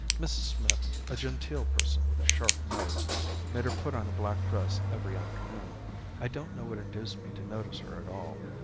Mrs. Smith, a genteel person with a sharp nose, made her put on a black dress every afternoon. I don't know what induced me to notice her at all.